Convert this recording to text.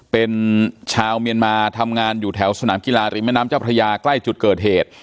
เป็นชาวเมียนมาทำงานอยู่แถวสนามกีฬาริมแม่น้ำเจ้าพระยาใกล้จุดเกิดเหตุ